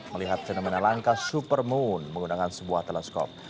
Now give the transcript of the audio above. melihat fenomena langka supermoon menggunakan sebuah teleskop